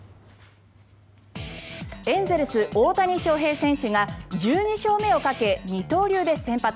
エンゼルス大谷翔平選手が１２勝目をかけ二刀流で先発。